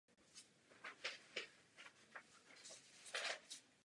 Pár žije v Londýně.